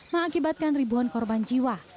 mengakibatkan ribuan korban jiwa